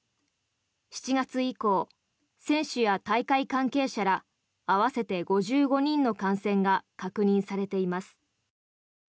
７月以降、選手や大会関係者ら合わせて５５人の感染が確認されています。